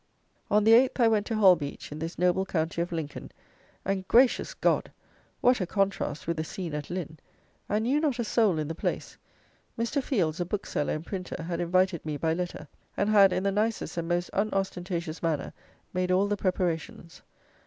On the 8th I went to Holbeach, in this noble county of Lincoln; and, gracious God! what a contrast with the scene at Lynn! I knew not a soul in the place. Mr. Fields, a bookseller and printer, had invited me by letter, and had, in the nicest and most unostentatious manner, made all the preparations.